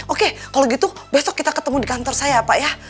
oke kalau gitu besok kita ketemu di kantor saya ya pak ya